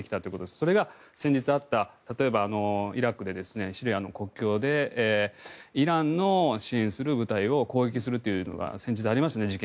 それが先日あった例えばイラクで、シリアの国境でイランの支援する部隊を攻撃するということが先日、ありましたね、事件。